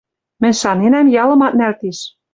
Мӹнь шаненӓм, ялым ат нӓл тиш.